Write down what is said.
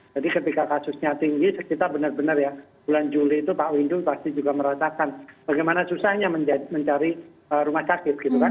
jadi ketika kasusnya tinggi sekitar benar benar ya bulan juli itu pak windung pasti juga merasakan bagaimana susahnya mencari rumah sakit gitu kan